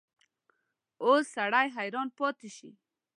اوس سړی حیران پاتې شي.